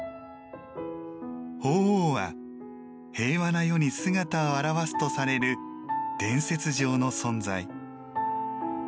鳳凰は平和な世に姿を現すとされる伝説上の存在。